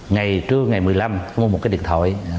ngày một mươi năm có mua một cái điện thoại